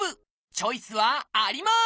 チョイスはあります！